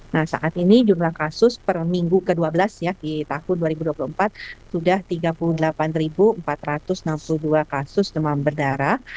nah saat ini jumlah kasus per minggu ke dua belas ya di tahun dua ribu dua puluh empat sudah tiga puluh delapan empat ratus enam puluh dua kasus demam berdarah